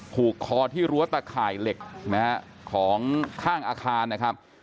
ผูกคอที่รั้วตะข่ายเหล็กนะฮะของข้างอาคารนะครับ